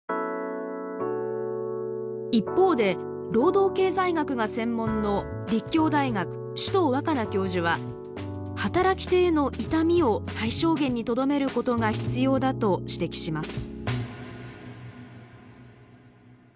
一方で労働経済学が専門の立教大学・首藤若菜教授は働き手への痛みを最小限にとどめることが必要だと指摘します。